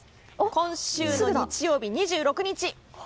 今週の日曜日２６日。